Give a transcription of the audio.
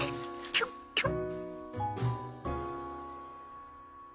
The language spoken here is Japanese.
キュッキュッ。